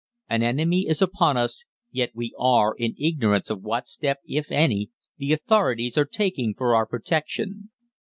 An enemy is upon us, yet we are in ignorance of what step, if any, the authorities are taking for our protection.